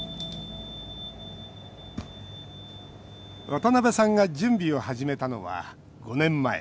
渡辺さんが準備を始めたのは５年前。